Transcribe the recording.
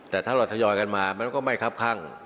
แต่ถ้าเราทยอยกันมามันก็ไม่คับข้าง